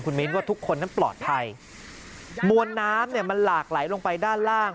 มิ้นว่าทุกคนนั้นปลอดภัยมวลน้ำเนี่ยมันหลากไหลลงไปด้านล่าง